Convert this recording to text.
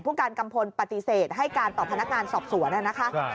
การกัมพลปฏิเสธให้การต่อพนักงานสอบสวนนะคะ